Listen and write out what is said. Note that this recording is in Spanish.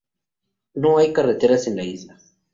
No hay carreteras en la isla.